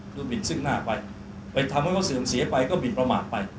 คือหมินซึ่งหน้าไปไปทำให้เขาเสื่อมเสียไปก็หมินประมาทไป